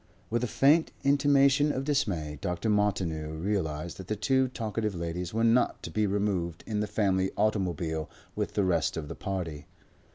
With a faint intimation of dismay Dr. Martineau realized that the two talkative ladies were not to be removed in the family automobile with the rest of the party.